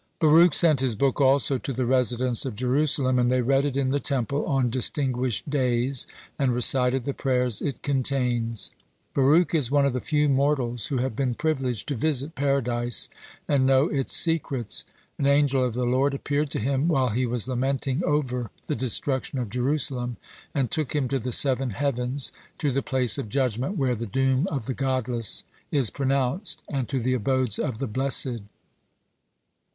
Baruch sent his book also to the residents of Jerusalem, and they read it in the Temple on distinguished days, and recited the prayers it contains. (69) Baruch is one of the few mortals who have been privileged to visit Paradise and know its secrets. An angel of the Lord appeared to him while he was lamenting over the destruction of Jerusalem and took him to the seven heavens, to the place of judgment where the doom of the godless is pronounced, and to the abodes of the blessed.